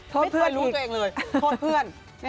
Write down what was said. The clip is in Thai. เพื่อนรู้ตัวเองเลยโทษเพื่อน